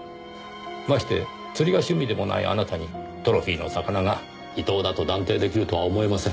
まして釣りが趣味でもないあなたにトロフィーの魚がイトウだと断定出来るとは思えません。